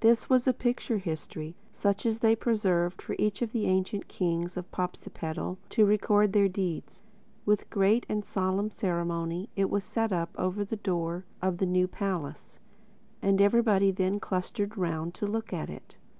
This was a picture history, such as they preserved for each of the ancient kings of Popsipetel to record their deeds. With great and solemn ceremony it was set up over the door of the new palace: and everybody then clustered round to look at it.